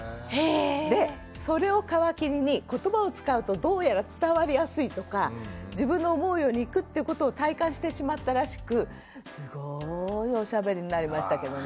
でそれを皮切りにことばを使うとどうやら伝わりやすいとか自分の思うようにいくっていうことを体感してしまったらしくすごいおしゃべりになりましたけどね。